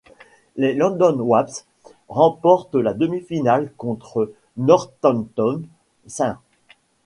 Les London Wasps remportent la demi-finale contre Northampton Saints.